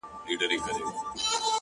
د زهرو تر جام تریخ دی; زورور تر دوزخونو;